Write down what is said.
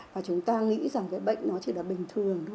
và chúng ta nghĩ rằng cái bệnh nó chỉ là bình thường